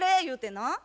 言うてな。